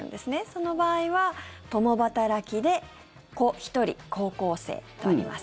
その場合は、共働きで子１人、高校生とあります。